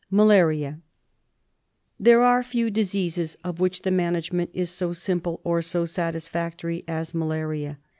Malaria. There are few diseases of which the management is so simple or so satisfactory as malaria.